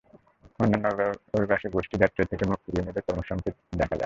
অন্যান্য অভিবাসী গোষ্ঠী ডেট্রয়েট থেকে মুখ ফিরিয়ে নিলে কর্মী সংকট দেখা যায়।